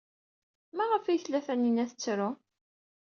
Maɣef ay tella Taninna tettru?